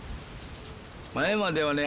前まではね